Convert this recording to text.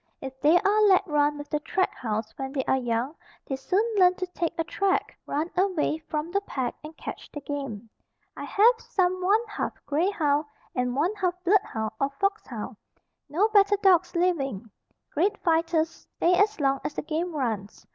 If they are let run with the track hounds when they are young they soon learn to take a track, run away from the pack and catch the game. I have some one half grey hound and one half bloodhound or fox hound. No better dogs living. Great fighters, stay as long as the game runs.